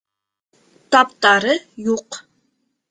Таптары юҡ